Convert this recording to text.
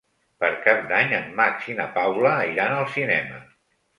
Per Cap d'Any en Max i na Paula iran al cinema.